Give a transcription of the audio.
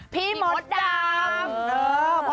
พี่มดดำ